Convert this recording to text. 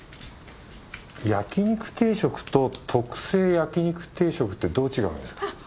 焼肉定食と特製焼肉定食ってどう違うんですか？